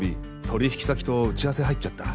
取引先と打ち合わせ入っちゃった」。